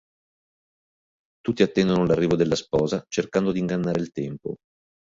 Tutti attendono l'arrivo della sposa, cercando di ingannare il tempo.